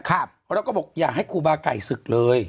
เขาเราก็บอกอย่าให้ครูบาไก่สึกเลย